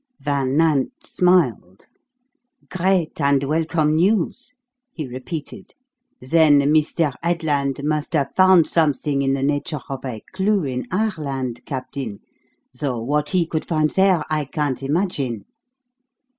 Van Nant smiled. "Great and welcome news," he repeated. "Then Mr. Headland must have found something in the nature of a clue in Ireland, captain, though what he could find there I can't imagine.